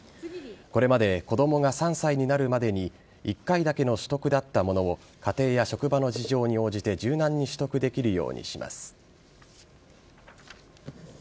これまで子供が３歳になるまでに１回だけの取得だったものを家庭や職場の事情に応じて柔軟に取得できるようにします。